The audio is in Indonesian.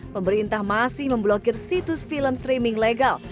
pemerintah masih memblokir situs film streaming legal